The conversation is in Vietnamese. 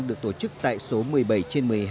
được tổ chức tại số một mươi bảy trên một mươi hai